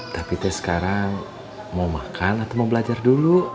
tapi teh sekarang mau makan atau mau belajar dulu